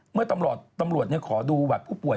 เมื่อตำรวจขอดูบัตรผู้ป่วย